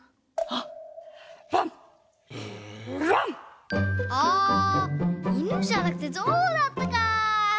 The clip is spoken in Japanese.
ああいぬじゃなくてぞうだったかぁ！